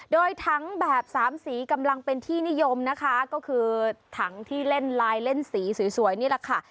โดยถังแบบสามสีกำลังเป็นที่นิยมนะคะก็คือถังที่เล่นลายเล่นสีสวยนี่แหละค่ะ